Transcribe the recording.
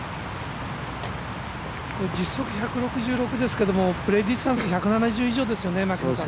実測１６６ですけど、プレーディスタンス１７０以上ですよね。